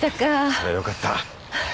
そりゃよかった。